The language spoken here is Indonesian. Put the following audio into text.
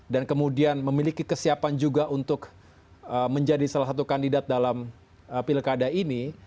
dan kemudian memiliki kesiapan juga untuk menjadi salah satu kandidat dalam pilkada ini